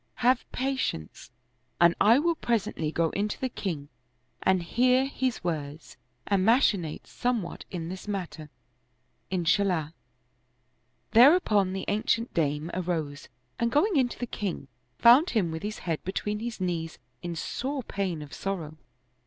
Have patience and I will pres ently go in to the king and hear his words and machinate 80 The Scar on the Throat somewhat in this matter, Inshallah 1 " Thereupon the an cient dame arose and going in to the king, found him with his head between his knees in sore pain of sorrow.